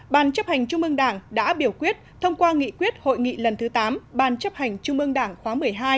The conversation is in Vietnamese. ban chấp hành trung ương đảng đã biểu quyết thông qua nghị quyết hội nghị lần thứ tám ban chấp hành trung ương đảng khóa một mươi hai